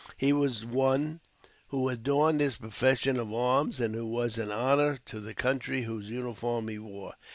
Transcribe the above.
He was one who adorned his profession of arms and who was an honor to the country whose uniform he wore.